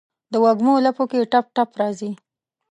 دوږمو لپو کې ټپ، ټپ راځي